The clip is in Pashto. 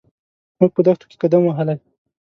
موږ په دښتو کې قدم وهلی.